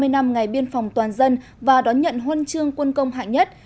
ba mươi năm ngày biên phòng toàn dân và đón nhận huân chương quân công hạng nhất